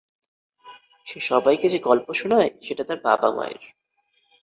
সে সবাইকে যে গল্প শোনায় সেটা তার বাবা-মায়ের।